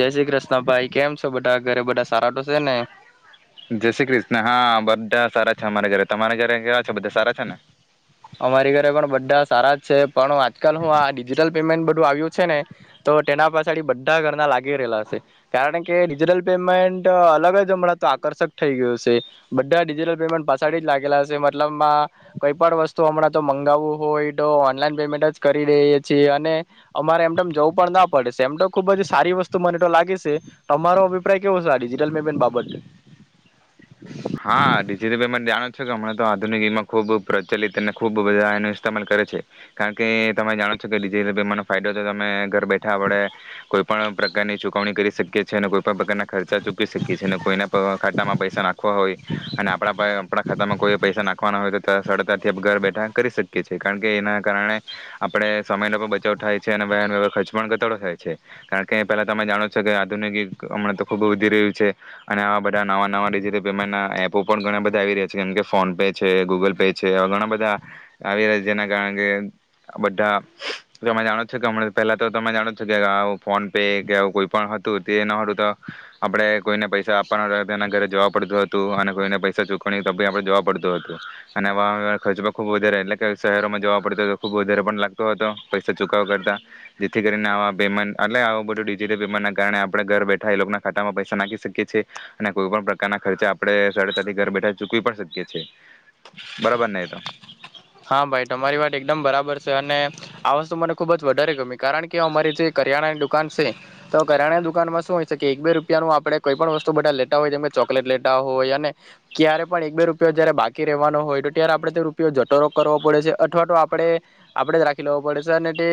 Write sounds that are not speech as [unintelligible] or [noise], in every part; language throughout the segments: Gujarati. જય શ્રી કૃષ્ણ ભાઈ, કેમ છો બધા? ઘરે બધા સારા તો છે ને જય શ્રી કૃષ્ણ. હા બધા સારા છે અમારે ઘરે તમારે ઘરે બધા કેવા છે? બધા સારા છે ને? અમારી ઘરે પણ બધા. સારા છે. પણ હ આજકાલ હું આ ડિજિટલ પેમેન્ટ બધું આવ્યું છે ને તો તેના પાછાડી બધા ઘરના લાગી રહેલા છે કારણ કે ડિજિટલ પેમેન્ટ અલગ જ હમણાં તો આકર્ષક થઈ ગયું છે બધા ડિજિટલ પેમેન્ટ પાછળ જ લાગેલા છે મતલબમાં. કઈ પણ વસ્તુ હમણાં તો મંગાવું હોય તો ઓનલાઈન પેમેન્ટ જ કરી રહીએ છીએ અને અમારે એમ જવું પણ ના પડેશે એમ તો ખુબ જ સારી વસ્તુ મને તો લાગી સે અમારો અભિપ્રાય કેવો ડિજિટલ પેમેન્ટ બાબત. હા ડિજિટલ પેમેન્ટ જાણો છો કે હમણા તો આધુનિકમાં ખુબ પ્રચલિત અને ખુબ બધા એનું ઇસ્તેમાલ કરે છે કારણ કે તમે જાણો છો કે ડિજિટલ પેમેન્ટનો ફાયદો તો તમે. ઘર બેઠા વડે કોઈ પણ પ્રકારની ચૂકવણી કરી શકીએ છીએ ને કોઈ પણ પ્રકારના ખર્ચા ચૂકવી શકીએ છીએ, ને કોઈના પણ ખાતામાં પૈસા નાખવા હોય અને આપડા પાહે આપડા ખાતામાં કોઈ પૈસા નાખવાના હોય તો સર સરળતાથી આપ ઘર બેઠા કરી શકીએ છીએ કારણ કે એના કારણે આપણે સમયનો પણ બચાવ થાય છે અને વન વ્યવાર ખર્ચ પણ ઘટાડો થાય છે કારણ કે પહેલા તમે જાણો છો કે આધુનિક હમણાં તો ખૂબ વધી રહ્યું છે અને આવા બધા નવા-નવા ડિજટલ પેમેન્ટના એપો પણ ઘણા બધા આવી રહ્યા છે કેમ કે ફોન પે છે, ગૂગલ પે છે, ઘણા બધા આવી રહ્યા છે. જેના કારણે કે બધા તમે જાણો છો કે હમણા પહેલા તો તમે જાણો છો કે આવું ફોન પે કે આવું કોઈ પણ હતું તે ન હતું તો આપણે કોઈને પૈસા આપવાના રહેતા તેના ઘરે જવા પડતું હતું. તું અને કોઈને પૈસા ચૂકવાણી તો પણ આપે જાવા પડતું હતું. અને આવા ખર્ચ પણ ખુબ વધારે એટલે કે શહેરોમાં જોવા પડતો ખુબ વધારે પણ લાગતો હતો પૈસા ચુકવવા કરતા, જેથી કરીને આવા પેમેન્ટ એટલે આવું બધું ડિજિટલ પેમેન્ટના કારણે આપણે ઘર બેઠા ઈ લોકના ખાતામાં પૈસા નાખી શકીએ છીએ અને કોઈ પણ પ્રકારના ખર્ચા આપણે સરળતાથી ઘર બેઠા જ ચૂકવી પણ શકીએ છીએ, બરાબર ને એ તો. હા ભાઈ તમારી વાત એકદમ બરાબર છે અને આ વસ્તુ મને ખુબ જ વધારે ગમી કારણ કે અમારી જે કરિયાણાની દુકાન છે તો કરિયાણાની દુકાનમાં શું હોય છે કે એક બે રૂપિયાનું આપણે કોઈ પણ વસ્તુ બધા લેતા હોય જેમ કે ચોકલેટ લેતા હોય અને ક્યારે પણ એક બે રૂપિયો જયારે બાકી રહેવાનો હોય તો ત્યારે આપણે રૂપિયો જટો કરવો પડે છે અથવા તો આપણે આપડે જ રાખી લેવો પડે છે અને તે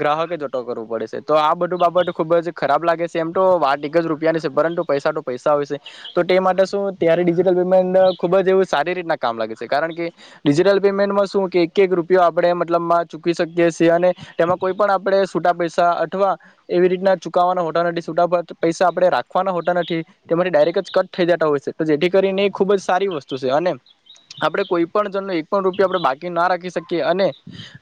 ગ્રાહકે જટો કરવો પડે છે તો આ બધું બાબત ખુબ જ ખરાબ લાગે છે. એમ તો વાત એક જ રૂપિયાની છે પરંતુ પૈસા તો પૈસા હોય છે, તો તે માટે શું ત્યારે ડિજિટલ પેમેન્ટ ખુબ જ એવું સારી રીતના કામ લાગે છે, કારણ કે ડિજિટલ પેમેન્ટમાં શું કે એક-એક રૂપિયો આપણે મતલબમાં ચૂકવી શકીએ છીએ અને તેનો કોઈ પણ આપડે છૂટા પૈસા અથવા એવી રીતના ચુકવવાના હોતા નથી છૂટા પૈસા આપણે રાખવાના હોતા નથી, તેમાંથી ડાયરેક્ટ જ કટ થઈ જતા હોય છે. તો જેથી કરીને એ ખુબ જ સારી વસ્તુ છે અને આપણે કોઈ પણ જણ એક પણ રૂપિયા આપડે બાકી ના રાખી શકીએ અને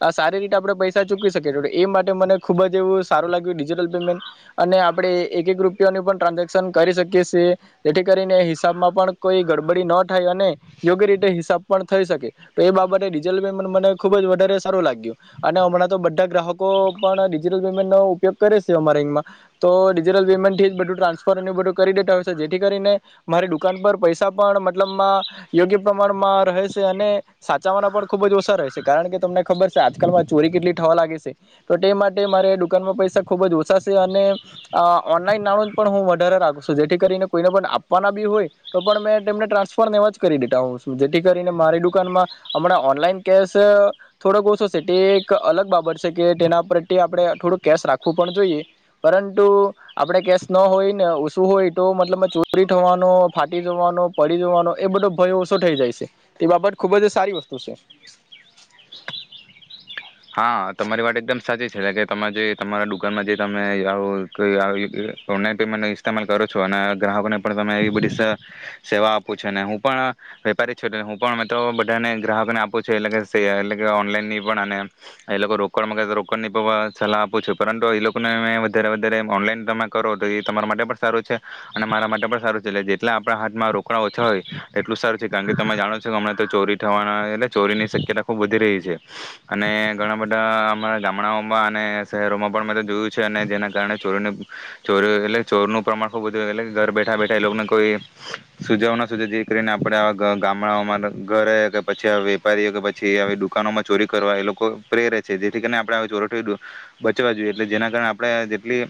અહ સારી રીતે આપણેે પૈસા ચૂકી શકીએ એ માટે મને ખુબ જ એવું સારું લાગ્યું ડિજિટલ પેમેન્ટ, અને આપણે એક એક રૂપિયાની પણ ટ્રાન્ઝેક્શન કરી શકીએ સીએ જેથી કરીને હિસાબમાં પણ કોઈ ગડબડી ન થાય અને યોગ્ય રીતે હિસાબ પણ થઈ શકે. તો એ બાબતે ડિજિટલ પેમેન્ટ મને ખુબ જ વધારે સારું લાગ્યું અને હમણાં તો બધા ગ્રાહકો પણ ડિજિટલ પેમેન્ટનો ઉપયોગ કરે છે અમારે ઈમાં. તો ડિજિટલ પેમેન્ટ થી જ બધું ટ્રાન્સફર અને બધું કરી દેતા હોય છે, જેથી કરીને મારી દુકાન પર પૈસા પણ મતલબમાં યોગ્ય પ્રમાણમાં રહે છે અને સાચવવાના પણ ખુબ ઓછા રહે છે કારણ કે તમને ખબર છે આજકાલમાં ચોરી કેટલી થવા લાગી છે, તો તે માટે મારે દુકાનમાં પૈસા ખુબ જ ઓછા છે અને અહ ઓનલાઈન નાણું પણ હું વધારે રાખું છું જેથી કરીને કોઈને પણ આપવાના બી હોય તો પણ મેં તેને ટ્રાન્સફર ને એમ જ કરી દેતા હોઉ જેથી કરીને મારી દુ કાનમાં હમણાં ઓનલાઈન કેશ થોડોક ઓછો છે તે એક અલગ બાબત છે કે તેના પ્રત્યે આપણે થોડું કેશ રાખવું પણ જોઈએ પરંતુ આપણે કેશ નો હોય ને ઓસું હોય તો મતલબમાં ચોરી થવાનો, ફાટી જવાનો, પડી જવાનો એ બધો ભય ઓછો થઈ જાય છે. તે બાબત ખુબ જ સારી વસ્તુ સે. હા તમારી વાત એકદમ સાચી છે એટલે કે તમે જે તમારા દુકાનમાં જે તમે આવું કાઈ આવી ઓનલાઈન પેમેન્ટ ન ઇસ્તેમાલ કરો છો અને ગ્રાહકોને પણ તમે આવી બધી સેવા આપો છો ને હું પણ વેપારી છું એટલે હું પણ હવે તો બધાને ગ્રાહકોને આપું છું એટલે કે સે એટલે કે ઓનલાઈનની પણ અને એ લોકો રોકડ માંગે તો રોકડ ની સલાહ આપું છું, પરંતુ એ લોકોને મે વધારે-વધારે ઓનલાઈન તમે કરો તો એ તમારા માટે પણ સારું છે, અને મારા માટે પણ સારું છે. એટલે જેટલા આપણા હાથમાં રોકડા ઓછા હોય એટલું સારું છે, કારણ કે તમે જાણો છો કે હમણાં તો ચોરી થવાના એટલે ચોરીની શક્યતા ખુબ વધી રહી છે. અને ઘણા બધા અમારા ગામડાઓમાં અને શહેરોમાં પણ મે તો જોયું છે અને જેના કારણે ચોરીની ચોરી એટલે ચોરનું પ્રમાણ ખૂબ વધુ એટલે કે ઘર બેઠા-બેઠા એ લોકને કોઈ સુજવનો નો સુજે જેથી કરીને આપણે આવા ગ ગામડાઓમાં ઘરે કે પછી આ વેપારીઓ કે પછી આવી દુકાનોમાં ચોરી કરવા ઈ લોકો પ્રેરે છે, જેથી કરીને આપણે ચોરોથી દૂ બચવા જોઈએ એટલે જેના કારણે આપણે જેટલી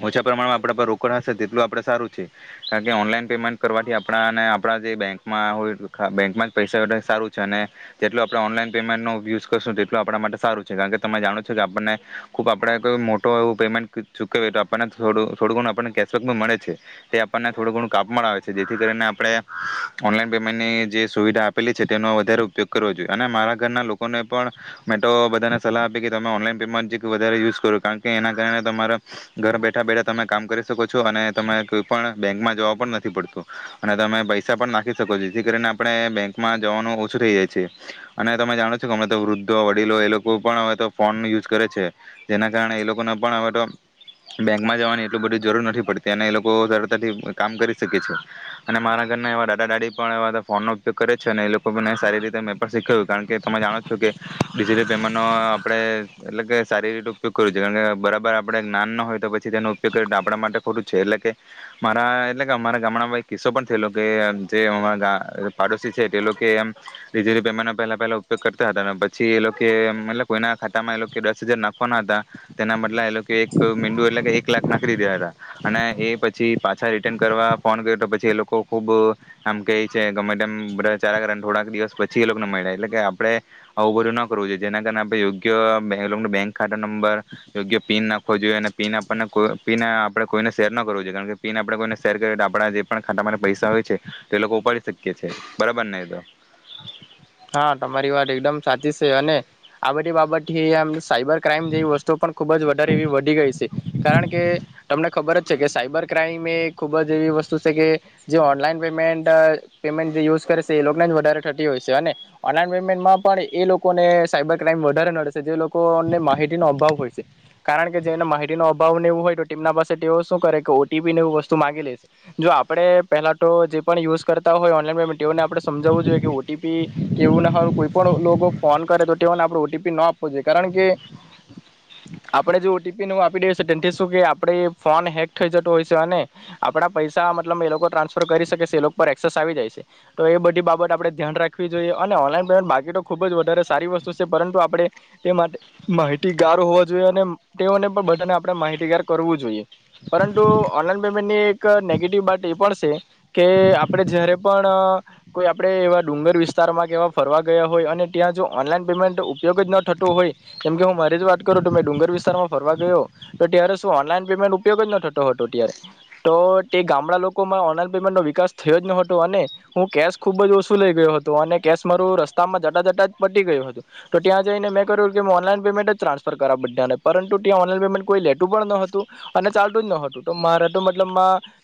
ઓછા પ્રમાણમાં આપણા પાહે રોકડા હશે તેટલું આપણેે સારું છે કારણ કે ઓનલાઈન પેમેન્ટ કરવાથી આપણાને આપણા જે બેંકમાં હોય બેંકમાં જ પૈસા વધાર સારું છે અને જેટલું આપણે ઓનલાઈન પેમેન્ટ નો ઉપયોગ કરશું તેટલુ આપણા માટે સારું છે, કારણ કે તમે જાણો છો કે આપણને ખુબ આપડે કોઈ મોટો એવું પેમેન્ટ ચૂકવીએ તો આપણને થોડું-થોડું ઘણું આપણને કેશબેક મળે છે, તે આપણને થોડું ઘણું કાપ પણ આવે છે જેથી કરીને આપણે ઓનલાઈન પેમેન્ટની જે સુવિધા આપેલી છે તેનો વધારે ઉપયોગ કરવો જોઈએ અને મારા ઘરના લો કોને પણ મે તો બધાને સલાહ આપી કે તમે ઓનલાઈન પેમેન્ટ [unintelligible] વધારે યુઝ કરો કારણ કે એના કારણે તમારા ઘર બેઠા બેઠા તમે કામ કરી શકો છો અને તમાર કોઈ પણ બેંકમાં જવા પણ નથી પડતું અને તમે પૈસા પણ નાખી શકો છો, જેથી કરીને આપણે બેંકમાં જવાનું ઓછું થઈ રહીએ છે અને તમે જાણો જ છો હમણે તો વૃદ્ધો વડીલો એ લોકો પણ હવે તો ફોન યુઝ કરે છે, જેના કારણે એ લોકોને પણ હવે તો બેંકમાં જવાની એટલું બધી જરૂર નથી પડતી, અને એ લોકો સરળતાથી કામ કરી શકે છે, અને મારા ઘરના એવા દાદા દાદી પણ એવા ફોનનો ઉપયોગ કરે છે અને એ લોકો પણ સારી રીતે મેં પણ શીખવ્યું કારણ કે તમે જાણો છો કે ડિજિટલ પેમેન્ટ નો આપણે એટલે કે સારી રીતે ઉપયોગ કરો જોઈએ કારણ કે બરાબર આપડે જ્ઞાન ન હોય તો પછી તેનો ઉપયોગ કરી તો આપણા માટે ખોટું છે એટલે કે મારા એટલે કે અમારા ગામડા એક કિસ્સો પણ થયેલો કે જે અહ પાડોશી છે તે લોકો અમ [unintelligible] પેમેન્ટો પહેલા પહેલા ત હતા પછી એ લોકો એમ મતલબ કોઈના ખાતામાં એ લોકો દસ હજાર નાખવાના હતા તેના બદલા એ લોકો એક મીંડુ એટલે એક લાખ નાખી દીધા હતા અને એ પછી પાછા રિટર્ન કરવા ફોન કર્યો તો પછી એ લોકો ખુબ આમ કે છે ગમે તેમ બધા ચા કર થોડાક દિવસ પછી એ લોકોને મળ્યા. એટલે કે આપણે આવું બધું ન કરવું જોઈએ જેના કારણે આપણે યોગ્ય એ [unintelligible] બેક ખાતા નંબર યોગ્ય પિન નાખવો જોઈએ અને પિન આપને પન આપણેે કોઈને શેર ના કરવો જોઈએ કારણ કે પિન આપણે કોઈને શેર કરી આપણા જે પણ ખાતામાં પૈસા હોય છે તે લોકો ઉપાડી શકીએ છે. બરાબર ને તો હા તમારી વાત એકદમ સાચી છે અને આ બધી બાબતથી આમ સાયબર ક્રાઈમ જેવી વસ્તુઓ પણ ખૂબ જ વધારે એવી વધી ગઈ છે કારણ કે તમને ખબર જ છે કે સાયબર ક્રાઈમ એ ખુબ જ એવી વસ્તુ છે કે જે ઓનલાઈન પેમેન્ટ પેમેન્ટ જે યુઝ કરે છે એ લોકોને જ વધારે થતી હોય છે. અને ઓનલાઈન પેમેન્ટમાં પણ એ લોકોને સાયબર ક્રાઈમ વધારે નડશે જે લોકોને માહિતીનો અભાવ હોય છે કારણ કે જેમને માહિતીનો અભાવ એવું હોય તો તેમના પાસે તેઓ શું કરે કે ઓ ટી પી ને એવ વસ્તુ માંગી લેશે જો આપણે પેહલા તો જે યુઝ કરતા હોય ઓનલાનમેન્ટ તેઓને આપણે સમજાવવું જોઈએ. કિ કેવું. ના હારુ કોઈ પણ ફોન કરે તો તેઓને આપ ઓ ટી પી ન આપવો જોઈએ કારણ કે આપણેે જે ઓ ટી પી ન આપી દેએ તેથી શું કે આપણેે ફોન હેક થઈ જતો હોય છે અને આપડા પૈસા મતલબ એ લોકો ટ્રાન્સફર કરી શકે છે એ લોકો પર એસેસ આવી જાય છે તો એ બધી બાબત આપડે ધ્યાન રાખવી જોઈએ. અને ઓનલાઈન પેમેન્ટ બાકી તો ખૂબ જ વધારે સારી વસ્તુ છે પરંતુ આપણે તે માટે માહિતીગાર હોવો જોઈએ અને તેઓને પણ બધાને આપણે માહિતીગાર કરવું જોઈએ પરંતુ ઓનલાઈન પેમેન્ટની એક નેગેટિવ વાત એ પણ છે કે આપણે જારે પણ કોઈ આપણે એવા ડુંગર વિસ્તારમાં કેવા ફરવા ગયા હોય અને ત્યાં જો ઓનલાઈન પેમેન્ટ ઉપયોગ જ ન થતો હોય કેમકે હું મારી જ વાત કરું તો મેં ડુંગર વિસ્તારમાં ફરવા ગયો તો ત્યારે શું ઓનલાઈન પેમેન્ટ ઉપયોગ જ ન થતો હતો ત્યારે તો તે ગામડા લોકોમાં ઓનલાઈન પેમેન્ટ ન વિકાસ થયો જ ન હતો અને હું કેશ ખુબ જ ઓ શું લઈ ગયું હતુ અને કેશ મારું રસ્તામાં જટા જટા જ પટી ગયું હતું તો ત્યાં જઈને મેં કર્યું કે મે ઓનલાઈન પેમેન્ટ જ ટ્રાન્સફર કરાવ બધાને પરંતુ ત્યાં ઓનલાઈન પેમેન્ટ કોઈ લેતું પણ ન હતું અને ચાલતું જ ન હતું તો મારા તો મતલબ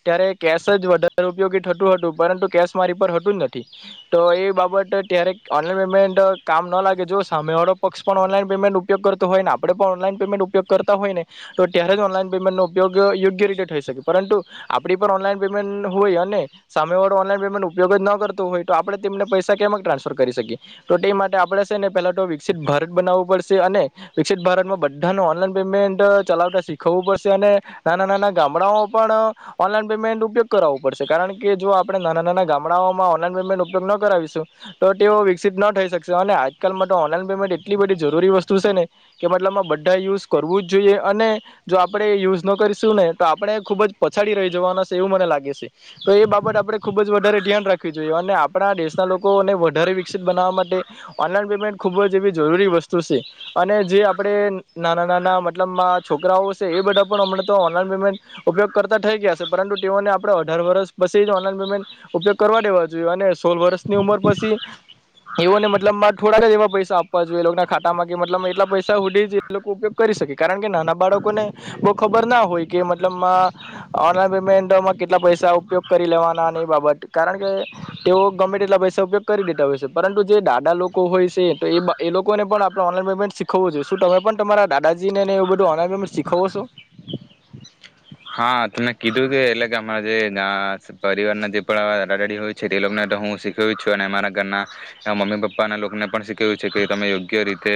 ત્યારે કેશજ વધારે ઉપયોગી થતું હતું પરંતુ કેશ મારી પર હતું જ નથી. તો એ બાબત ત્યારે ઓનલાઈન પેમેન્ટ કામ ન લાગે જો સામે વાળો પક્ષ પણ ઓનલાઈન પેમેન્ટ ઉપયોગ કરતો હોય ને આપણેે પણ ઓનલાઈન પેમેન્ટ ઉપયોગ કરતા હોય ને તો ત્યારે જ ઓનલાઈન પેમેન્ટ નો ઉપયોગ યોગ્ય રીતે થઈ શકે પરંતુ આપડી પણ ઓનલાઈન પેમેન્ટ હોય અને સામે વાળો ઓનલાઈન પેમેન્ટ ઉપયોગ જ ન કર તો હોય આપણેને પૈસા કેમક ટ્રાન્સફર કરી શકીએ તો તે માટે આપણે છે ને પેલા તો વિકસિત ભારત બનાવવું પડશે. અને વિકસિત ભારતમાં બધાનું ઓનલાન પેમેન્ટ ચલાવતા શીખવવું પડશે અને નાના નાના ગામડામાં પણ ઓનલાન પેમેન્ટ ઉપયોગ કરવો પડશે. કારણ કે જો આપણે નાના નાના ગામડાઓમાં ઓનલાઈન પેમેન્ટ ઉપયોગ ન કરીશું તો તેઓ વિકસિત ન થઈ શકશે અને આજકાલમાં તો ઓનલાઈન પેમેન્ટ એટલી બધી જરૂરી વસ્તુ છે ને કે મતલબમાં બધા યુઝ કરવું જ જોઈએ અને જો આપણેે યુઝ ન કરીશું ને તો આપણે ખુબ જ પછાડી રહી જવાના છે એવું મને લાગે છે. તો એ બાબત આપણે ખુબ જ વધારે ધ્યાન રાખ ખી જોઈએ. અને આપણા દેશના લોકોને વધારે વિકસિત બનાવવા માટે ઓનલાઈન પેમેન્ટ ખૂબ જ એવી જરૂરી વસ્તુ શે. અને જે આપણે નાના નાના મતલબ છોકરાઓ શે એ બધા પણ હમણાં ઓનલાઈન પેમેન્ટ ઉપયોગ કરતા થઈ ગયા છે પરંતુ તેઓને આપણે અઢાર વર્ષ પછી જ ઓનલાઈન પેમેન્ટ ઉપયો કરવા દેવા જોઈએ અને સોળ વર્ષની ઉમર પછી એઓને મતલબ માં થોડાક એવા પૈસા આપવા જોઈએ એ લોકના ખાતામાં કે મતલબ એટલા પૈસા હુદી જ એ લોકો ઉપયોગ કરી શકે. કારણ કે નાના બાળકોને બો ખબર ના હોય કે મતલબ માં ઓનલાઈન પેમેન્ટમાં કેટલા પૈસા ઉપયોગ કરી લેવાના એ બાબત કારણ કે તેઓ ગમે તેટલા એટલા પૈસા ઉપયોગ કરી દેતા હોય છે. પરંતુ જે દાદા લોકો હોય છે તો એ એ લોકોને પણ આપણે ઓનલાઈન પેમેન્ટ શીખવવું જોઈએ. શું તમે પણ તમારા દાદાજી ને ને એ બધું ઓનલાઈન પેમેન્ટ શીખવો છો? હા તને કીધું કે એટલે કે અમારા જે અ પરિવારના જે પણ દાદા દાદી હોય છે. તે લોકોને તો હું શીખ્યું છું અને અમારા ઘરના મમ્મી પપ્પાના લોકોને પણ શીખ્યું છે. કે તમે યોગ્ય રીતે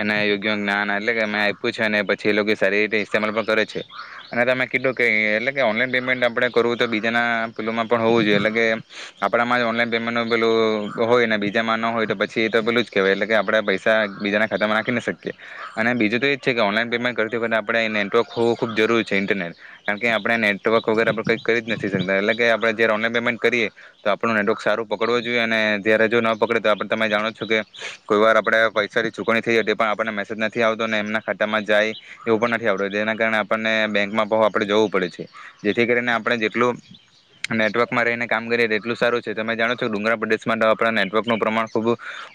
એને યોગ્ય જ્ઞાન એટલે કે મે આપ્યું છે. અને પછી એ લોકો સારી રીતે ઇસ્તમલ પણ કરે છે. અને તમે કીધું કે એટલે કે ઓનલાઈન પેમેન્ટ આપણે કરવું તો બીજાના પેલું માં પણ હોવું જોઈએ એટલે કે આ આપણામાં જ ઓનલાઈન પેમેન્ટનું પેલું હોય ને બીજામાં ન હોય તો પછી એ તો પેલું જ કહેવાય એટલે કે આપણે પૈસા બીજાના ખાતામાં નાખી ન શકીએ, અને બીજું તો એ જ છે કે ઓનલાઈન પેમેન્ટ કરતી વખતે આપણે એ નેટવર્ક હોવું ખૂબ જરૂરી છે ઇન્ટરનેટ. કારણ કે આપણે નેટવર્ક વગેર આપણે કંઈ કરી જ નથી શકતા એટલે કે આપણે જયારે ઓનલાઈન પેમેન્ટ કરીએ તો આપણું નેટવર્ક સારું પકડવું જોઈએ અને જયારે જો ન પકડે તો આપ તમે જાણો છો કે કોઈ વાર આપણે પૈસાની ચુકવણી થઈ જતી પણ આપણને મેસેજ નથી આવતો અને એમના ખાતામાં જાય એવું પણ નથી આવતું, જેના કારણે આપણને બેંકમાં પણ આપણેે જવું પડે છે. જેથી કરીને આપણે જેટલું નેટવર્કમાં રહીને કામ કરીએ તેટલું સારું છે. તમે જાણો છો ડુંગરા પ્રદેશમાં તો આપણા નેટવર્કનું પ્રમાણ ખૂબ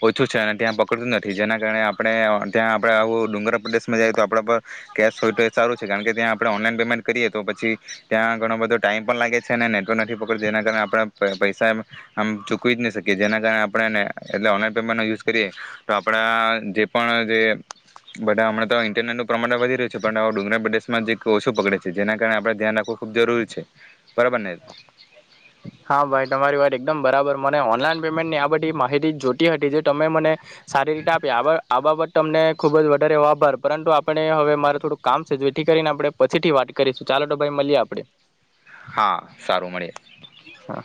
ઓછું છે. અને ત્યાં પકડતું નથી જેના કારણે આપણે ત્યાં આપણે આવું ડુંગરા પ્રદેશમાં જાયએ તો આપણા પર કેશ હોય તો એ સારું છે કારણ કે ત્યાં આપણે ઓનલાઈન પેમેન્ટ કરીએ તો પછી ત્યાં ઘણો બધો ટાઈમ પણ લાગે છે. અને નેટવર્ક નથી પકડતી એના કારણે આપણે પ પૈસા એમ આમ ચૂકવી જ નહી શકીએ, જેના કારણે આપણેને એટલે ઓનલાઈન પેમેન્ટનો યુઝ કરીએ તો આપણા જે પણ જે બધા હમણાં તો ઇન્ટરનેટનું પ્રમાણ વધી રહ્યું છે, પણ ડુંગરા પ્રદેશમાં જે ઓછું પકડે છે જેના કારણે આપણે ધ્યાન રાખવું ખૂબ જરૂરી છે બરાબર ને. હા ભાઈ તમારી વાત એકદમ બરાબર. મને ઓનલાઈન પેમેન્ટની આ બધી માહિતી જ જોતી હતી જે તમે મને સારી રીતે આપ્યા. આ બાબ આ બાબત તમને ખુબ જ વધારે એવો આભાર પરંતુ આપણે હવે મારે થોડું કામ છે. જેથી કરીને આપણે પછીથી વાત કરીશું. ચાલો તો ભાઈ મલીએ આપણે. હા સારું મળીએ. હા.